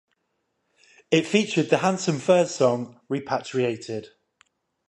It featured the Handsome Furs song Repatriated.